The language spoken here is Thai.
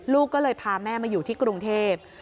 ลูกก็เลยพาแม่มาอยู่ที่กรุงเทพ